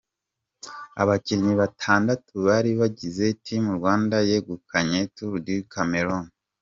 Abakinnyi batandatu bari bagize Team Rwanda yegukanye Tour du Cameroun.